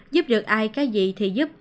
giúp được ai cái gì thì giúp